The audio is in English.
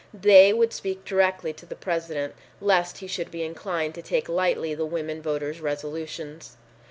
They would speak directly to the President lest he should be inclined to take lightly the women voters' resolutions.